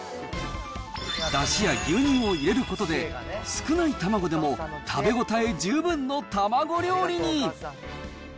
だしや牛乳を入れることで、少ない卵でも、食べ応え十分の卵料理に。